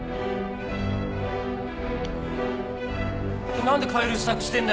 って何で帰る支度してんだよ？